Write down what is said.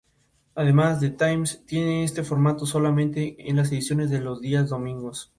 Sin embargo, el reducido tamaño de estos dificulta su identificación.